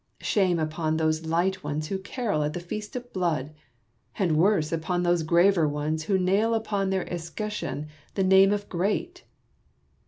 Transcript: Shame upon those light ones who carol at the feast of blood ! and worse upon those graver ones who nail . upon their escutcheon the name of great